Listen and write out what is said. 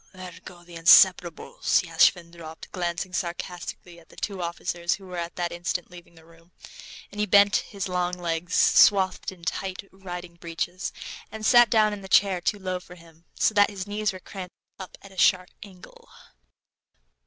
"There go the inseparables," Yashvin dropped, glancing sarcastically at the two officers who were at that instant leaving the room. And he bent his long legs, swathed in tight riding breeches, and sat down in the chair, too low for him, so that his knees were cramped up in a sharp angle.